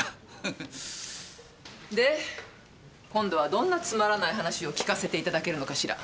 で今度はどんなつまらない話を聞かせていただけるのかしら？